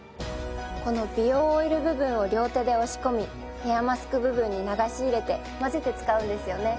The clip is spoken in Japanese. この美容オイル部分を両手で押し込みヘアマスク部分に流し入れて混ぜて使うんですよね。